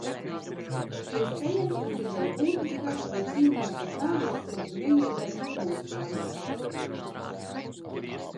Iespējams, tas ir vēl būtiskāk, jo cīņā pret nāvessodu neiederas dubultstandarti.